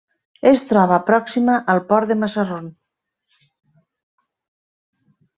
Es troba pròxima al Port de Mazarrón.